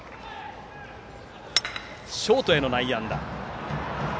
ショートへの内野安打。